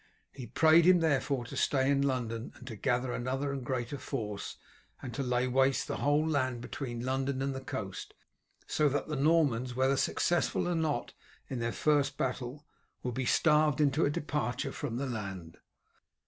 He prayed him therefore to stay in London, and to gather another and greater force, and to lay waste the whole land between London and the coast, so that the Normans, whether successful or not in their first battle, would be starved into a departure from the land.